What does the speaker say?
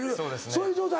そういう状態？